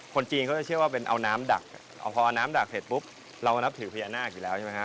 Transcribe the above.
คนจีนเขาจะเชื่อว่าเป็นเอาน้ำดักพอเอาน้ำดักเสร็จปุ๊บเรานับถือพญานาคอยู่แล้วใช่ไหมฮ